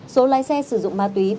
số lái xe sử dụng ma túy